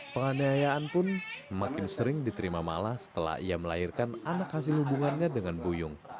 penganiayaan pun makin sering diterima mala setelah ia melahirkan anak hasil hubungannya dengan buyung